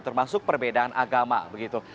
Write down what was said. termasuk perbedaan agama begitu